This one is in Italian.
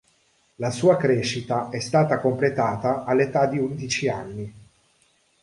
La sua crescita è stata completata all'età di undici anni.